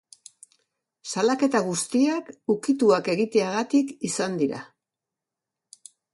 Salaketa guztiak ukituak egiteagatik izan dira.